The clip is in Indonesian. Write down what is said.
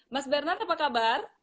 mas bernard apa kabar